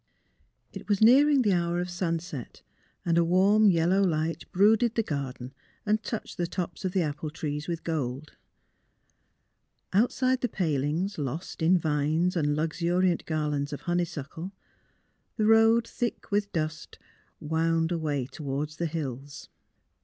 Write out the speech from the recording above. It was nearing the hour of sunset and a warm yellow light brooded the garden and touched the tops of the apple trees with gold. Outside the palings, lost in vines and luxuriant garlands of honeysuckle, the road thick with dust wound away toward the hills.